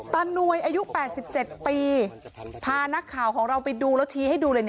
หน่วยอายุ๘๗ปีพานักข่าวของเราไปดูแล้วชี้ให้ดูเลย